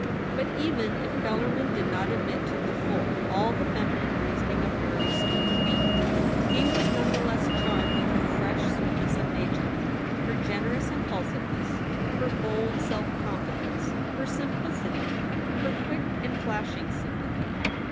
But even if Bellarmin did not admit to the full all the feminine reasoning of jNIary Stuart Beaton, he was none the less charmed with her fresh sweetness of nature, her gene rous impulsiveness, her bold self confidence, her simplicity, her quick and flashing sym pathy.